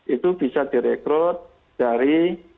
itu bisa direkrut dari